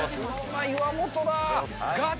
岩本だ。